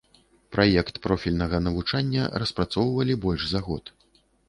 Праект профільнага навучання распрацоўвалі больш за год.